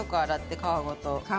皮ごと。